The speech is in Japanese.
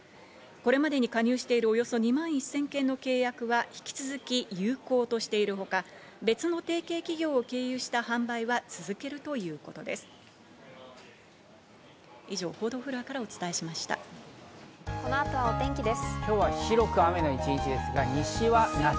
これまでに加入しているおよそ２万１０００件の契約は引き続き有効としているほか、別の提携企業を経由した販売は続けるということです。